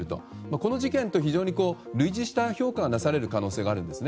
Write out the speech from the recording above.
この事件と非常に類似した評価がなされる可能性があるんですね。